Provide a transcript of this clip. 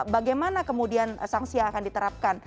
bagaimana kemudian sanksi yang akan diterapkan